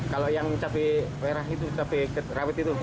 kalau yang cabai merah itu cabai rawit itu